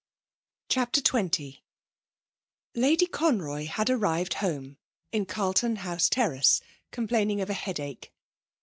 CHAPTER XX Lady Conroy had arrived home in Carlton House Terrace, complaining of a headache.